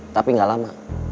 tapi gak lama